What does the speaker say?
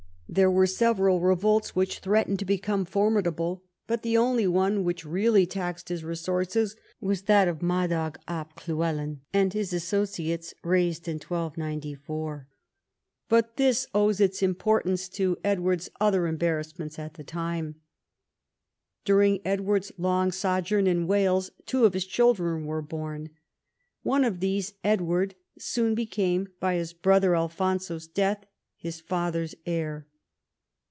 There were several revolts which threatened to become formidable, but the only one which really taxed his resources was that which Madog ab Llywelyn and his associates raised in 1294; and this owes its importance to Edward's other embarrass ments at the time. During Edward's long sojourn in Wales two of his children were born. One of these, Edward, soon became by his brother Alfonso's death his father's heir.